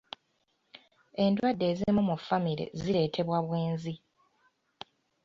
Endwadde ezimu mu famire zireetebwa bwenzi.